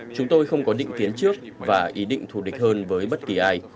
chúng tôi không có định kiến trước và ý định thù địch hơn với bất kỳ ai